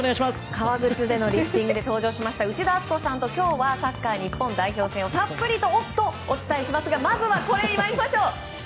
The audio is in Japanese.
革靴でのリフティングで登場しました、内田篤人さんと今日はサッカー日本代表戦をたっぷりとお伝えしますがまずは、こちらに参りましょう。